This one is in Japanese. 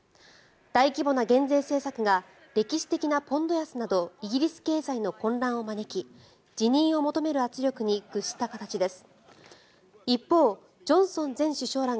大規模な減税政策が歴史的なポンド安などイギリス経済の混乱を招き辞任を求める圧力に屈した形です。